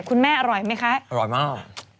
อร่อยไหมคะอร่อยมาก